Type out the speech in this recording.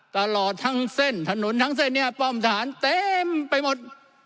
ตลอดทั้งเส้นถนนทั้งเส้นนี้ป้อมทหารเต็มไปหมด